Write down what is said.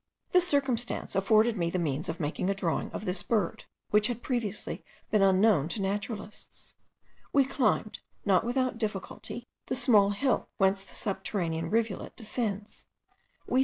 This circumstance afforded me the means of making a drawing of this bird, which had previously been unknown to naturalists. We climbed, not without difficulty, the small hill whence the subterranean rivulet descends.